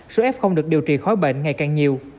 số f được điều trị khỏi bệnh ngày càng nhiều